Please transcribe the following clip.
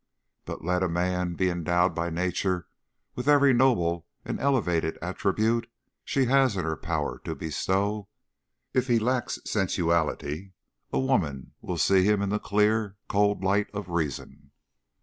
But let a man be endowed by Nature with every noble and elevated attribute she has in her power to bestow, if he lacks sensuality a woman will see him in the clear cold light of reason.